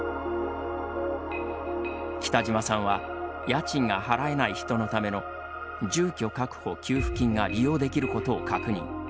北島さんは家賃が払えない人のための「住居確保給付金」が利用できることを確認。